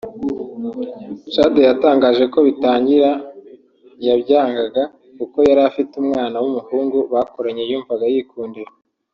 Chadia yatangaje ko bitangira yabyangaga kuko yari afite umwana w’umuhungu bakuranye yumvaga yikundira